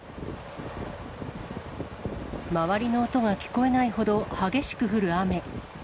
周りの音が聞こえないほど激しく降る雨。